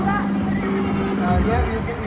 สนับสนาม๑๒๓สนาม